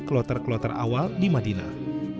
ke loter keloter awal di madinah